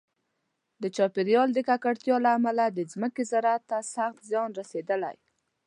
د چاپیریال د ککړتیا له امله د ځمکې زراعت ته سخت زیان رسېدلی.